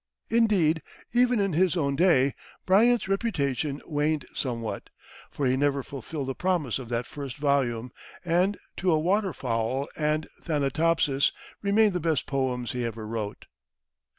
Indeed, even in his own day, Bryant's reputation waned somewhat, for he never fulfilled the promise of that first volume, and "To a Waterfowl" and "Thanatopsis" remain the best poems he ever wrote.